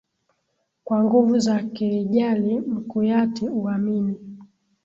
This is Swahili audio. Kwa nguvu za kirijali, mkuyati uamini,